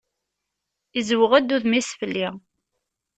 Izzweɣ-d udem-is fell-i.